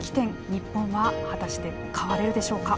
日本は果たして変われるでしょうか。